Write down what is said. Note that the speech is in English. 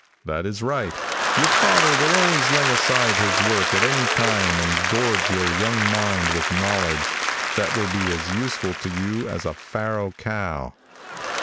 That is right. Your father will always lay aside his work at any time and gorge your young mind with knowledge that will be as useful to you as a farrow cow.